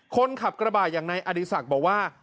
คนขับกระบาดอย่างในอดิษักบอกว่า